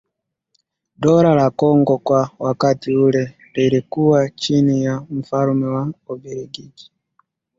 Dola la Kongo kwa wakati ule lilikuwa chini ya mfalme wa Ubelgiji